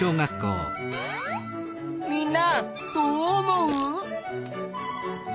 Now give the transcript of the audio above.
みんなどう思う？